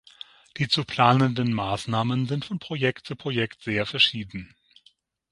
Die zu planenden Maßnahmen sind von Projekt zu Projekt sehr verschieden.